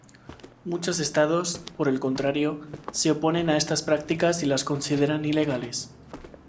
Muchos Estados, por el contrario, se oponen a estas prácticas y las consideran ilegales.